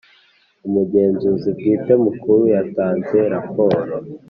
Umugenzuzi Bwite Mukuru yatanze raporo